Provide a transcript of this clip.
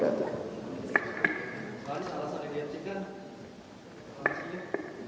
kalau sudah menjelaskan rekomensi apa yang terjadi dengan yang dibuka atau yang terlalu